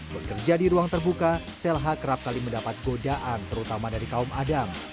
bekerja di ruang terbuka selha kerap kali mendapat godaan terutama dari kaum adam